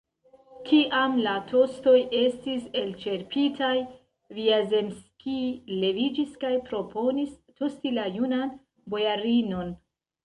Kiam la tostoj estis elĉerpitaj, Vjazemskij leviĝis kaj proponis tosti la junan bojarinon.